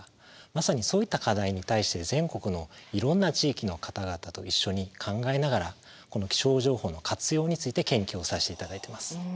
まさにそういった課題に対して全国のいろんな地域の方々と一緒に考えながらこの気象情報の活用について研究をさせて頂いています。